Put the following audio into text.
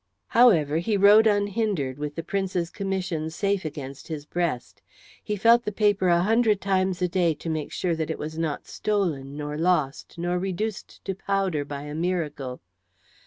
However, he rode unhindered with the Prince's commission safe against his breast. He felt the paper a hundred times a day to make sure that it was not stolen nor lost, nor reduced to powder by a miracle.